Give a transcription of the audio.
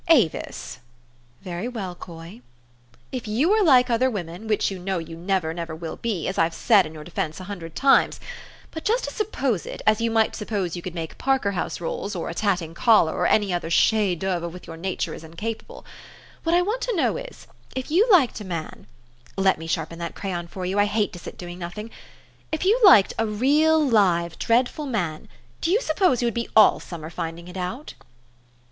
Avis? " "Very well, Coy." "If you were like other women, which you know you never, never will be, as I've said in your THE STORY OF AVIS. 157 defence a hundred times, but just to suppose it, as you might suppose you could make Parker house rolls, or a tatting collar, or any other chef d'oeuvre of which your nature is incapable : what I want to know is, if you liked a man, let me sharpen that crayon for you : I hate to sit doing nothing, if you liked a real, live, dreadful man, do you suppose you would be all summer finding it out